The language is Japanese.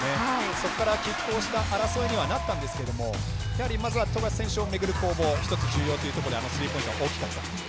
そこからきっ抗した争いにはなったんですがやはりまずは富樫選手を巡る攻防１つ重要ということであのスリーポイントは大きかった。